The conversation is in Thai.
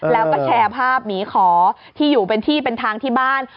แล้วก็แชร์ภาพหมีขอที่อยู่เป็นที่เป็นทางที่บ้าน